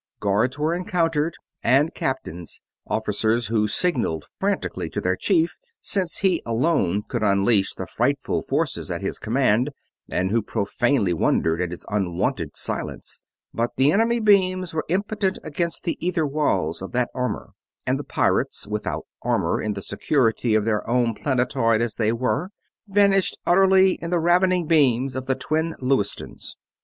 Guards were encountered, and captains officers who signaled frantically to their chief, since he alone could unleash the frightful forces at his command, and who profanely wondered at his unwonted silence but the enemy beams were impotent against the ether walls of that armor; and the pirates, without armor in the security of their own planetoid as they were, vanished utterly in the ravening beams of the twin Lewistons.